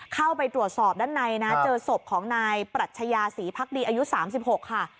เข้าไปตรวจสอบด้านในนะเจอศพของนายปรัชญาศรีพักดีอายุ๓๖ค่ะ